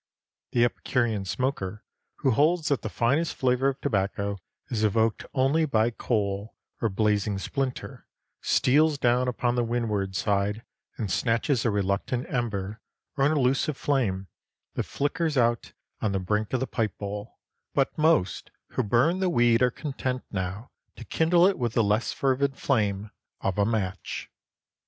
The epicurean smoker, who holds that the finest flavor of tobacco is evoked only by coal or blazing splinter, steals down upon the windward side and snatches a reluctant ember or an elusive flame that flickers out on the brink of the pipe bowl, but most who burn the weed are content now to kindle it with the less fervid flame of a match.